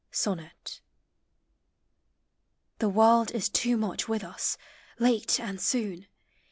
SONNET. The World is too much with us; late and soon.